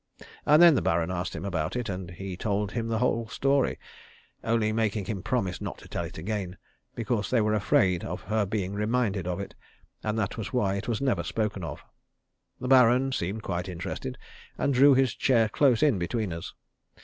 And then the Baron asked him about it, and he told him the whole story, only making him promise not to tell it again, because they were afraid of her being reminded of it, and that was why it was never spoken of. The Baron seemed quite interested, and drew his chair close in between us.